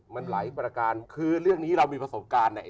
มันหลายประการคือเรื่องนี้เรามีประสบการณ์เนี่ย